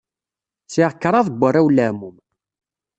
Sɛiɣ kraḍ n warraw n leɛmum.